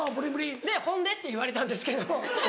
で「ほんで？」って言われたんですけど。